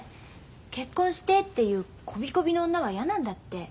「結婚して！」っていうこびこびの女はやなんだって。